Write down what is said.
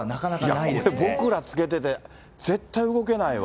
いやこれ、僕らつけてて絶対動けないわ。